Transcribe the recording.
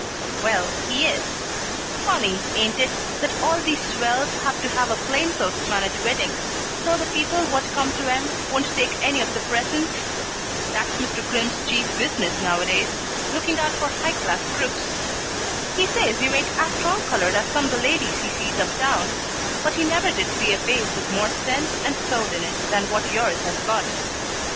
"Well, he is. Funny, ain't it, that all these swells have to have a plain clothes man at weddings so the people what come to 'em won't take any of the presents? That's Mr. Crimm's chief business nowadays, looking out for high class crooks. He says you ain't as strong colored as some the ladies he sees up town, but he never did see a face with more sense and soul in it than what yours has got.